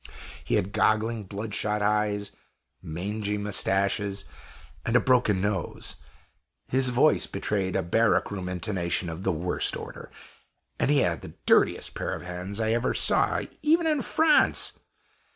He had goggling, bloodshot eyes, mangy mustaches, and a broken nose. His voice betrayed a barrack room intonation of the worst order, and he had the dirtiest pair of hands I ever saw even in France.